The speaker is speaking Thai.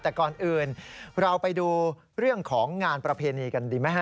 แต่ก่อนอื่นเราไปดูเรื่องของงานประเพณีกันดีไหมฮ